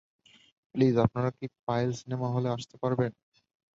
Please আপনারা কী পায়েল সিনেমাহলে আসতে পারবেন?